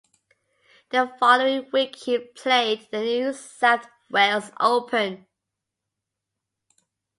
The following week he played the New South Wales Open.